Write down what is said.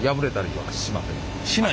はい。